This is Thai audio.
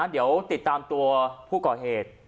เดี๋ยวติดตามตัวผู้ก่อเหตุ